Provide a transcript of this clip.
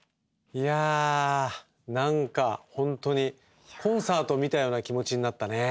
いやあ何か本当にコンサートを見たような気持ちになったね。